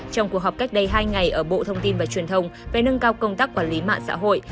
trong cuộc họp cách đây hai ngày ở bộ thông tin và truyền thông về nâng cao công tác quản lý mạng xã hội